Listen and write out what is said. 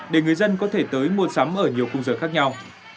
để người dân có thể tới mua sắm ở nhiều khung giờ khác nhau